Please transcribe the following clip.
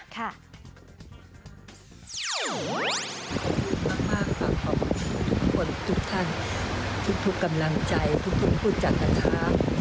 ขอบคุณทุกคนทุกท่านทุกกำลังใจทุกผู้จัดนะคะ